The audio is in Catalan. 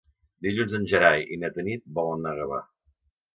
Dilluns en Gerai i na Tanit volen anar a Gavà.